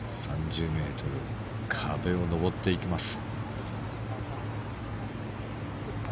３０ｍ壁を上っていきます。